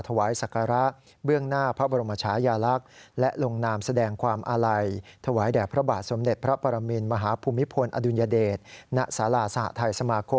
ถวายศักระเบื้องหน้าพระบรมชายาลักษณ์และลงนามแสดงความอาลัย